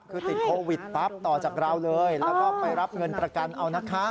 คือติดโควิดปั๊บต่อจากเราเลยแล้วก็ไปรับเงินประกันเอานะคะ